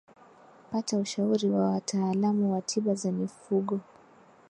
Pata ushauri wa wataalamu wa tiba za mifugo